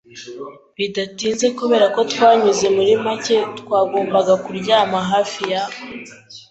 bidatinze. Kuberako twanyuze muri make, twagombaga kuryama hafi ya